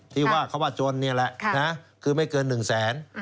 ที่ว่าเขาว่าจนนี่แหละคือไม่เกิน๑แสน